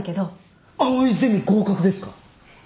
藍井ゼミ合格ですか？